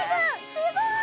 すごーい！